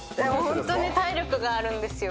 本当に体力があるんですよ。